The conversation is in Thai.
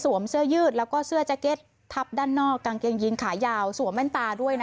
เสื้อยืดแล้วก็เสื้อแจ็คเก็ตทับด้านนอกกางเกงยีนขายาวสวมแว่นตาด้วยนะคะ